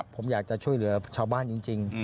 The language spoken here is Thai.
ผมอยากจะช่วยเหลือชาวบ้านจริง